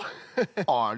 あれ？